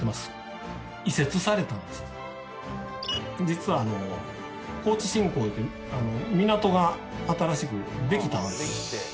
実はあの高知新港という港が新しくできたんです。